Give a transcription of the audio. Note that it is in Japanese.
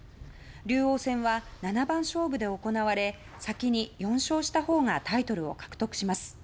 竜王戦は七番勝負で行われ先に４勝したほうがタイトルを獲得します。